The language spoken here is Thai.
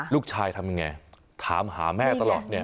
ลูกชายทำอย่างไรถามหาแม่ตลอดนี่